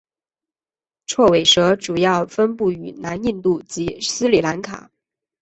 锉尾蛇主要分布于南印度及斯里兰卡。